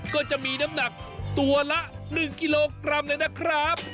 ก็จะมีน้ำหนักตัวละ๑กิโลกรัมเลยนะครับ